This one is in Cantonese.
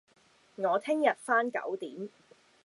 我聽日返九點